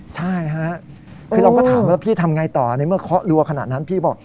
ใช่ค่ะคือเราก็ถามว่าแล้วพี่ทำไงต่อในเมื่อเคาะรัวขนาดนั้นพี่บอก